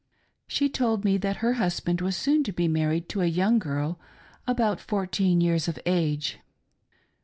She told me that her husband was soon to be married to a yoimg girl about fourteen years of age.